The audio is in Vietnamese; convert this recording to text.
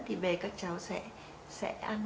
thì về các cháu sẽ ăn